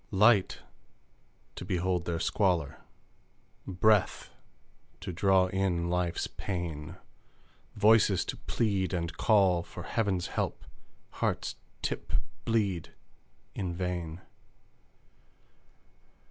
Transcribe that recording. Light to behold their squalor! Breath to draw in life's pain! Voices to plead and call for Heaven's help hearts tip bleed in vain!